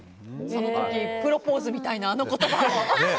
その時プロポーズみたいなあの言葉も。